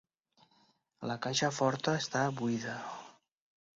La caixa forta està buida.